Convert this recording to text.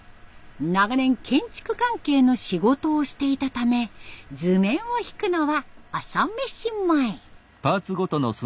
長年建築関係の仕事をしていたため図面を引くのは朝飯前。